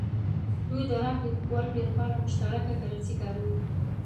دوی د راکړې ورکړې لپاره مشترکه کرنسي کاروي.